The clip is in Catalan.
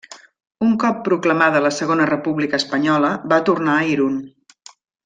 Un cop proclamada la Segona República Espanyola, va tornar a Irun.